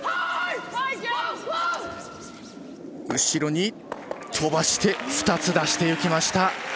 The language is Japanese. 後ろに飛ばして２つ出していきました。